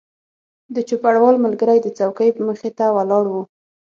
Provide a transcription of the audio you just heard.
د چوپړوال ملګری د څوکۍ مخې ته ولاړ و.